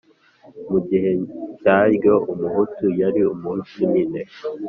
mu gihe cyaryo, umuhutu yari umuhutu nyine